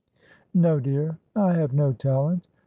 ' No, dear ; I have no talent.